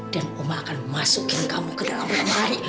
dan oma akan masukin kamu ke dalam ular marih